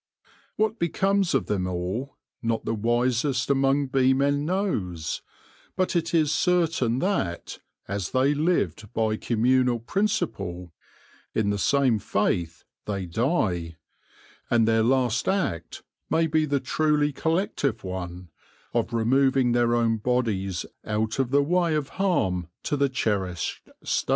What becomes of them all, not the wisest among beemen knows ; but it is certain that, as they lived by communal principle, in the same faith they die ; and their last act may be the truly collective one — of removing their own bodies out of the way of harm to the cherished State.